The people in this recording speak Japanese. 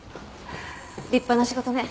立派な仕事ね。